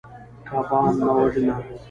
کبان مه وژنه.